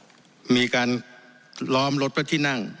จะเห็นได้ว่ามีการล้อมรถว่าที่นั่ง